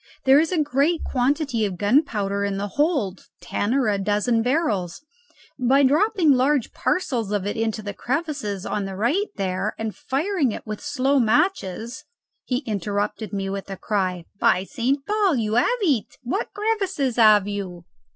There is a great quantity of gunpowder in the hold; ten or a dozen barrels. By dropping large parcels of it into the crevices on the right there, and firing it with slow matches " He interrupted me with a cry: "By St. Paul, you have it! What crevices have you?"